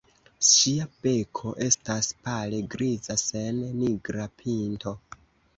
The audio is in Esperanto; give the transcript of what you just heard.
Ŝia beko estas pale griza sen nigra pinto.